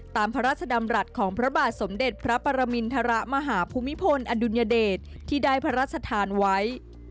ตามพระราชดำรัฐของพระบาทสมเด็จพระปรมินทรมาหาภูมิพลอดุลยเดชที่ได้พระราชทานไว้